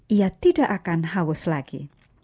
ia tidak akan haus lagi